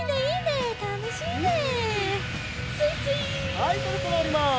はいそろそろおります。